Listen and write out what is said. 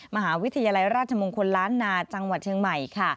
มหาวิทยาลัยราชมงคลล้านนาจังหวัดเชียงใหม่ค่ะ